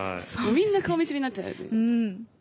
みんな顔見知りになっちゃう。